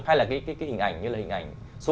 hay là cái hình ảnh như là hình ảnh số